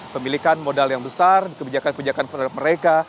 pemilikan modal yang besar kebijakan kebijakan terhadap mereka